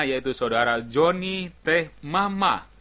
yaitu saudara jonny t mahmah